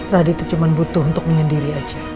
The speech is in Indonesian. radit itu cuma butuh untuk menyendiri aja